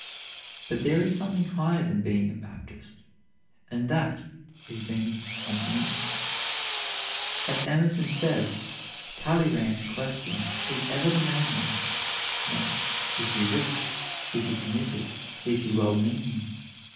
But there is something higher than being a Baptist, and that is being a man. As Emerson says, Talleyrand's question is ever the main one; not, is he rich? is he committed? is he well meaning?